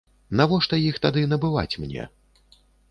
Навошта іх тады набываць мне?